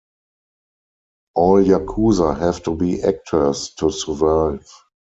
All yakuza have to be actors to survive.